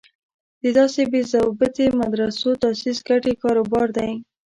د داسې بې ضابطې مدرسو تاسیس ګټې کار و بار دی.